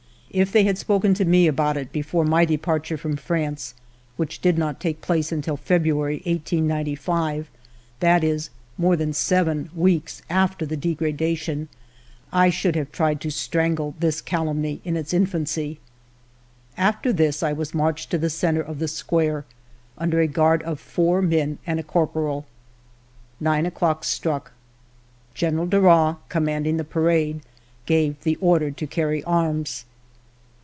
If they had spoken to me about it before my de parture from France, which did not take place until February, 1895, —^^^^^^' more than seven weeks after the degradation, — I should have tried to strangle this calumny in its infancy. After this I was marched to the centre of the square, under a guard of four men and a corporal. Nine o'clock struck. General Darras, com manding the parade, gave the order to carry arms.